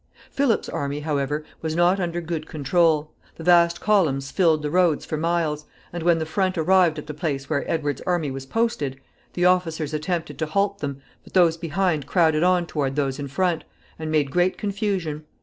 Philip's army, however, was not under good control. The vast columns filled the roads for miles, and when the front arrived at the place where Edward's army was posted, the officers attempted to halt them all, but those behind crowded on toward those in front, and made great confusion.